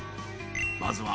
［まずは］